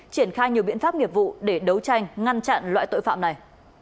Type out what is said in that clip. triển khai nhiều biện pháp nghiệp vụ để đấu tranh ngăn chặn loại tội phạm này